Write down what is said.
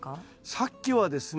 さっきはですね